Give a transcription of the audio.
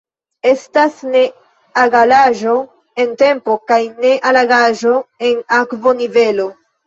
Estas ne-egalaĵo en tempo kaj ne-egalaĵo en akvonivelo.